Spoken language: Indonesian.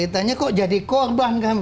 kaitannya kok jadi korbankan